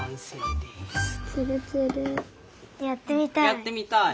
やってみたい！